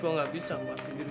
iya saya sendiri